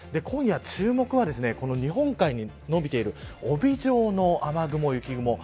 今夜、注目は日本海に延びている帯状の雨雲、雪雲。